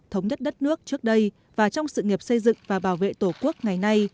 thống nhất đất nước trước đây và trong sự nghiệp xây dựng và bảo vệ tổ quốc ngày nay